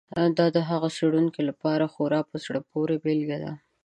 دا د هغو څېړونکو لپاره خورا په زړه پورې بېلګه ده.